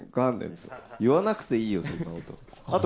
言わなくていいよ、そんなこと。